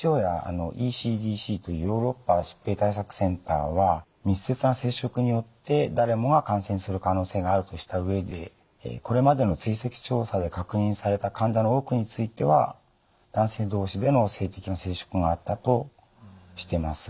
ＷＨＯやＥＣＤＣというヨーロッパ疾病対策センターは密接な接触によって誰もが感染する可能性があるとした上でこれまでの追跡調査で確認された患者の多くについては男性同士での性的な接触があったとしてます。